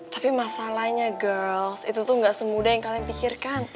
tapi masalahnya girls itu tuh gak semudah yang kalian pikirkan